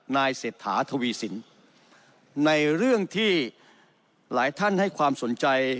เศรษฐาทวีสินในเรื่องที่หลายท่านให้ความสนใจ